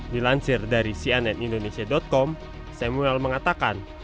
dilansir dari cnindonesia com samuel mengatakan